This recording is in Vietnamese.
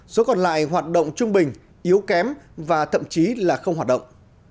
số còn lại hoạt động trung bình yếu kém và thậm chí là không hoạt động